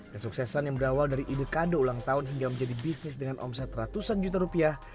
kesuksesan yang berawal dari ide kado ulang tahun hingga menjadi bisnis dengan omset ratusan juta rupiah